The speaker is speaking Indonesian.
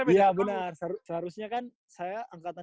iya benar seharusnya kan saya angkatan dua ribu enam belas